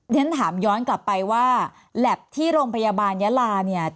ฉันถามย้อนกลับไปว่าแล็บที่โรงพยาบาลยาลาเนี่ย